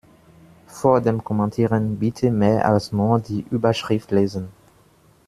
Vor dem Kommentieren bitte mehr als nur die Überschrift lesen!